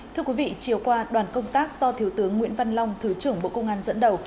thưa quý vị chiều qua đoàn công tác do thiếu tướng nguyễn văn long thứ trưởng bộ công an dẫn đầu